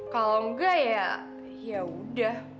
kalau enggak ya udah